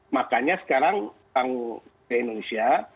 makanya sekarang tanggung ke indonesia